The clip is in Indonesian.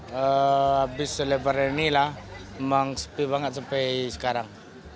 habis lebaran ini lah memang sepi banget sampai sekarang